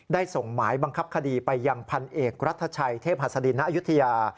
ได้ส่งหมายบังคับคดีไปยังพันเอกรัฐชัยเทพศศาสดีนะยุธิา